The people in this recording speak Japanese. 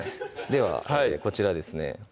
ではこちらですね